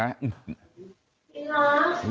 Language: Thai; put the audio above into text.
จริงเหรอ